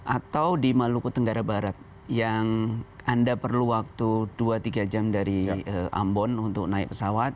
atau di maluku tenggara barat yang anda perlu waktu dua tiga jam dari ambon untuk naik pesawat